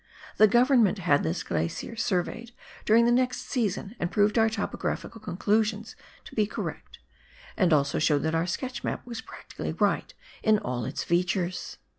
The Government had this glacier sur veyed during the next season, and proved our topographical conclusions to be correct, and also showed that our sketch map was practically right in all its features.